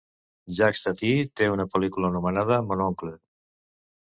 Jacques Tati té una pel·lícula anomenada "Mon oncle"